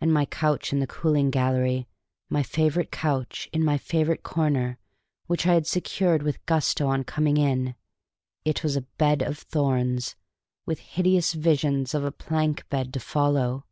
And my couch in the cooling gallery my favorite couch, in my favorite corner, which I had secured with gusto on coming in it was a bed of thorns, with hideous visions of a plank bed to follow!